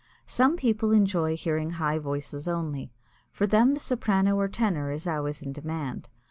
Some people enjoy hearing high voices only. For them the soprano or tenor is always in demand.